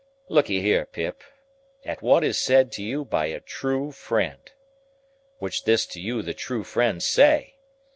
Lookee here, Pip, at what is said to you by a true friend. Which this to you the true friend say.